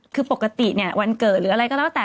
คือปกติเนี่ยวันเกิดหรืออะไรก็แล้วแต่